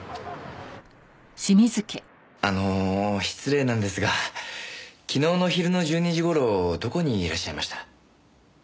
あの失礼なんですが昨日の昼の１２時頃どこにいらっしゃいました？